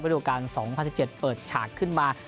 ดูการ๒๐๑๗เปิดฉากขึ้นมา